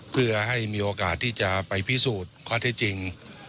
เพื่อให้มีโอกาสที่จะไปพิสูจน์ข้อเท็จจริง